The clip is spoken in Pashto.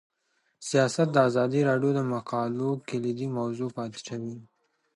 سیاست د ازادي راډیو د مقالو کلیدي موضوع پاتې شوی.